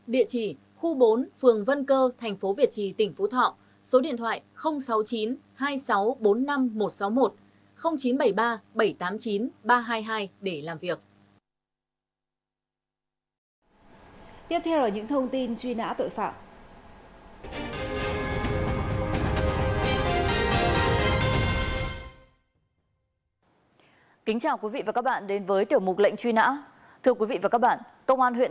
địa chỉ khu bốn phường vân cơ tp việt trì tỉnh phú thọ số điện thoại sáu mươi chín hai nghìn sáu trăm bốn mươi năm một trăm sáu mươi một chín trăm bảy mươi ba bảy trăm tám mươi chín ba trăm hai mươi hai để làm việc